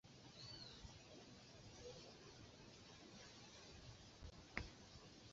El Director General en España es Alejandro González.